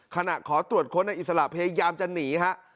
ขณะขอตรวจค้นนายอิสระพยายามจะหนีครับ